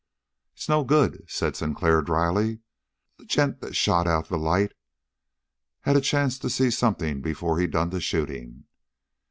"It's no good," said Sinclair dryly. "The gent that shot out the light had a chance to see something before he done the shooting.